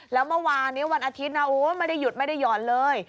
แล้วเมื่อวานนี้วันอาทิตย์ไม่ได้หยุดไม่ได้หย่อนเลย